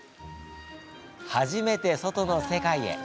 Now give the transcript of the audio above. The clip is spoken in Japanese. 初めて外の世界へ。